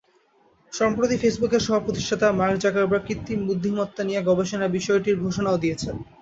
সম্প্রতি ফেসবুকের সহ-প্রতিষ্ঠাতা mark Zuckerberg কৃত্রিম বুদ্ধিমত্তা নিয়ে গবেষণার বিষয়টির ঘোষণাও দিয়েছেন।